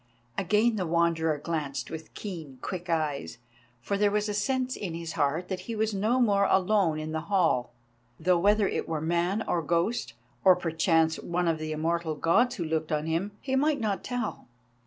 Again the Wanderer glanced with keen, quick eyes, for there was a sense in his heart that he was no more alone in the hall, though whether it were man or ghost, or, perchance, one of the immortal Gods who looked on him, he might not tell.